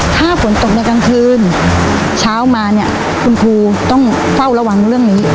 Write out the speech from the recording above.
ถ้าฝนตกในกลางคืนเช้ามาเนี่ยคุณครูต้องเฝ้าระวังเรื่องนี้